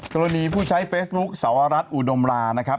กรณีผู้ใช้เฟซบุ๊คสวรัฐอุดมรานะครับ